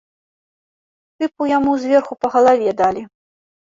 Тыпу яму зверху па галаве далі.